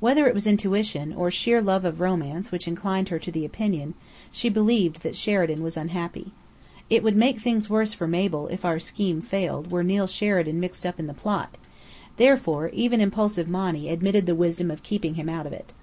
Whether it was intuition, or sheer love of romance which inclined her to the opinion, she believed that Sheridan was unhappy. It would make things worse for Mabel (if our scheme failed) were Neill Sheridan mixed up in the plot; therefore, even impulsive Monny admitted the wisdom of keeping him out of it.